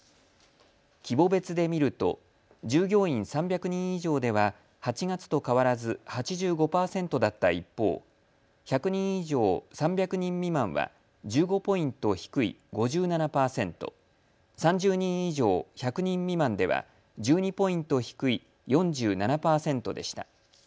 規模別で見ると従業員３００人以上では８月と変わらず８５％だった一方、１００人以上、３００人未満は１５ポイント低い５７％、３０人以上、１００人未満では１２ポイント低い４７％でした。